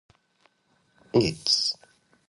It is the administrative center of Hertsa Raion.